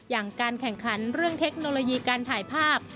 อย่างการแข่งขันเรื่องเทคโนโลยีการถ่ายภาพ